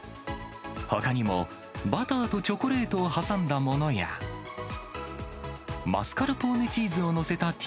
ほかにも、バターとチョコレートを挟んだものや、マスカルポーネチーズを載せた